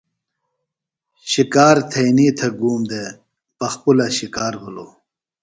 شکار تھینئی تھےۡ گوم دےۡ پخپُلہ شِکار بِھلوۡ۔